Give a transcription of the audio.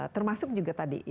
termasuk juga tadi ya